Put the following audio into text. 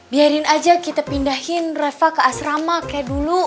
biarin aja kita pindahin reva ke asrama kayak dulu